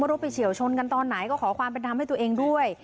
รู้ไปเฉียวชนกันตอนไหนก็ขอความเป็นธรรมให้ตัวเองด้วย